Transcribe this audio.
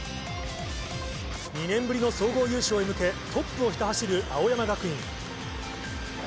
２年ぶりの総合優勝へ向け、トップをひた走る青山学院。